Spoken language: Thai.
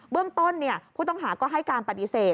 เรื่องต้นผู้ต้องหาก็ให้การปฏิเสธ